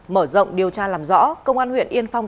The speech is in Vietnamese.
mở rộng điều tra làm rõ công an huyện yên phong